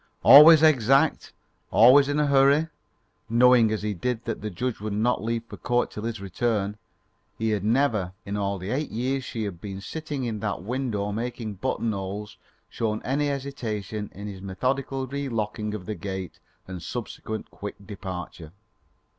Always exact, always in a hurry knowing as he did that the judge would not leave for court till his return he had never, in all the eight years she had been sitting in that window making button holes, shown any hesitation in his methodical relocking of the gate and subsequent quick departure.